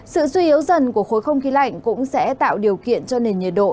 sự suy yếu dần của khối không khí lạnh cũng sẽ tạo điều kiện cho nền nhiệt độ